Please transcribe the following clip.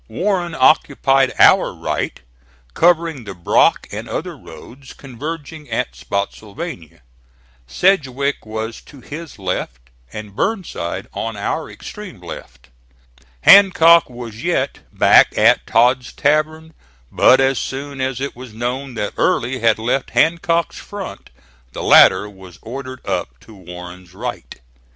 Warren occupied our right, covering the Brock and other roads converging at Spottsylvania; Sedgwick was to his left and Burnside on our extreme left. Hancock was yet back at Todd's Tavern, but as soon as it was known that Early had left Hancock's front the latter was ordered up to Warren's right.